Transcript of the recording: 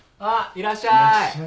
いらっしゃい。